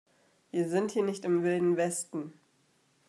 Wir sind hier nicht im Wilden Westen.